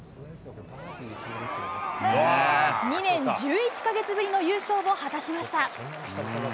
２年１１か月ぶりの優勝を果たしました。